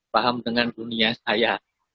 paham dengan dunia saya